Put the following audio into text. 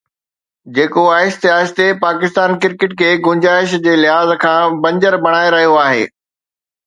جيڪو آهستي آهستي پاڪستان ڪرڪيٽ کي گنجائش جي لحاظ کان بنجر بڻائي رهيو آهي.